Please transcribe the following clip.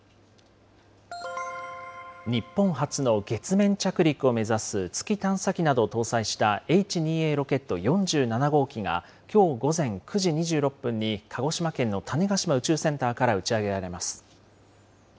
日本初の月面着陸を目指す月探査機などを搭載したＨ２Ａロケット４７号機が、きょう午前９時２６分に鹿児島県の種子島宇宙センターから打ち上げられます。